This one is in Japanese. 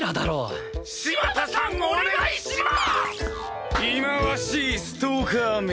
忌まわしいストーカーめ。